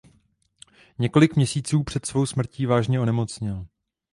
Několik měsíců před svou smrtí vážně onemocněl.